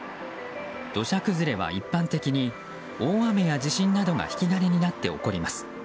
土砂崩れは一般的に大雨や地震などが引き金になって起こります。